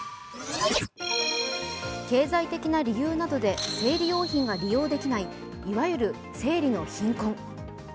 経済的な理由などで生理用品が利用できないいわゆる生理の貧困。